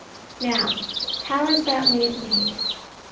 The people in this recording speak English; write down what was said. Now, how is that wave made?